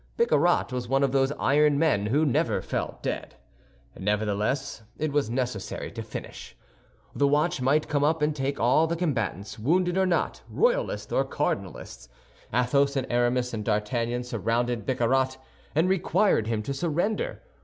Bicarat was one of those iron men who never fell dead. Nevertheless, it was necessary to finish. The watch might come up and take all the combatants, wounded or not, royalists or cardinalists. Athos, Aramis, and D'Artagnan surrounded Bicarat, and required him to surrender.